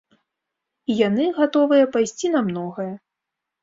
І яны гатовыя пайсці на многае.